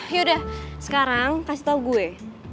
yaudah sekarang kasih tahu gue